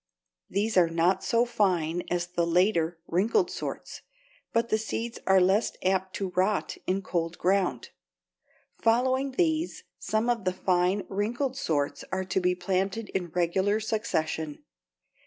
These are not so fine as the later, wrinkled sorts, but the seeds are less apt to rot in cold ground. Following these, some of the fine, wrinkled sorts are to be planted in regular succession.